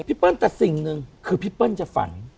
เปิ้ลแต่สิ่งหนึ่งคือพี่เปิ้ลจะฝัน